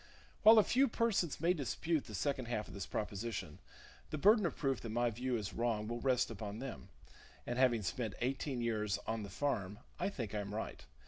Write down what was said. While a few persons may dispute the second half of this proposition, the burden of proof that my view is wrong will rest upon them; and having spent eighteen years "on the farm," I think I am right.